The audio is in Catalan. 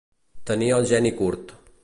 Tenir el geni curt.